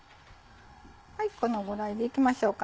このぐらいでいきましょうかね。